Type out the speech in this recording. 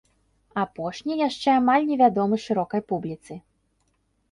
Апошні яшчэ амаль невядомы шырокай публіцы.